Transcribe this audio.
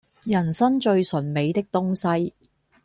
人生最醇美的東西